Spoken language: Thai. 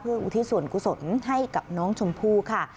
เพื่ออุทิศวรกุศลให้กับน้องชมพู่ค่ะ